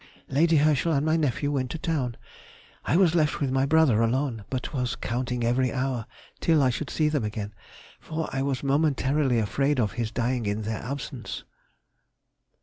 _—Lady Herschel and my nephew went to town: I was left with my brother alone, but was counting every hour till I should see them again, for I was momentarily afraid of his dying in their absence.